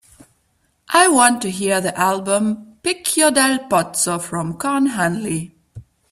I want to hear the album Picchio Dal Pozzo from Con Hunley